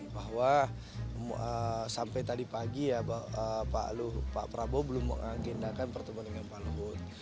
bahwa sampai tadi pagi ya pak prabowo belum mengagendakan pertemuan dengan pak luhut